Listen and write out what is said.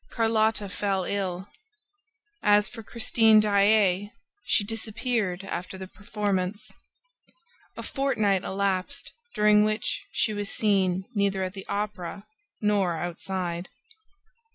Carlotta fell ill. As for Christine Daae, she disappeared after the performance. A fortnight elapsed during which she was seen neither at the Opera nor outside.